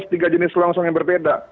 tiga jenis kelongsong yang berbeda